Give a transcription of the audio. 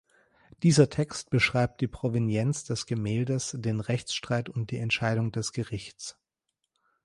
Dieser Text beschreibt die Provenienz des Gemäldes, den Rechtsstreit und die Entscheidung des Gerichts.